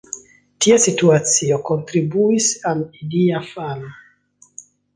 Tia situacio kontribuis al ilia falo.